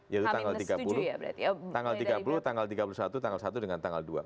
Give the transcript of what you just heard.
yaitu tanggal tiga puluh tanggal tiga puluh satu tanggal satu dengan tanggal dua